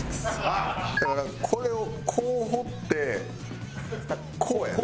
だからこれをこう放ってこうやな。